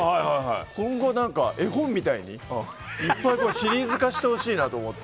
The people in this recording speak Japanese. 今後、絵本みたいにいっぱいシリーズ化してほしいなと思って。